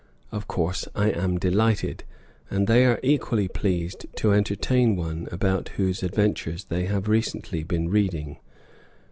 Of course I am delighted, and they are equally pleased to entertain one about whose adventures they have recently been reading.